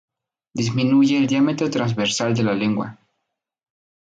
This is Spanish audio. Disminuye el diámetro transversal de la lengua.